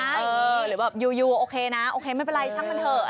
หรือแบบยูโอเคนะโอเคไม่เป็นไรช่างมันเถอะ